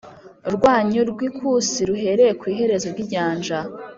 Rwanyu rw ikusi ruhere ku iherezo ry inyanja